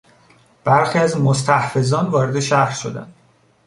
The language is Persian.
برخی از مستحفظان وارد شهر شدند.